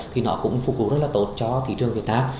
thì nó cũng thu hút rất là tốt cho thị trường việt nam